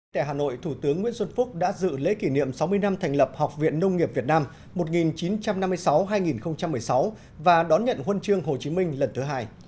tại hà nội thủ tướng nguyễn xuân phúc đã dự lễ kỷ niệm sáu mươi năm thành lập học viện nông nghiệp việt nam một nghìn chín trăm năm mươi sáu hai nghìn một mươi sáu và đón nhận huân chương hồ chí minh lần thứ hai